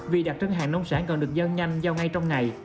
vì đặc trưng hàng nông sản còn được giao nhanh giao ngay trong ngày